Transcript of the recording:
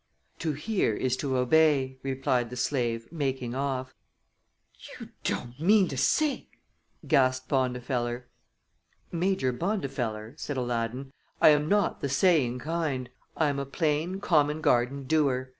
"To hear is to obey," replied the slave, making off. "You don't mean to say " gasped Bondifeller. "Major Bondifeller," said Aladdin, "I am not the saying kind. I am a plain, common garden doer.